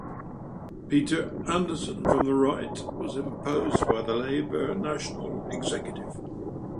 Peter Anderson from the right was imposed by the Labor national executive.